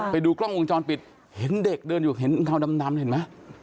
ไปดูกล้องวงจรปิดเห็นเด็กเดินอยู่เห็นเงาดำเห็นไหม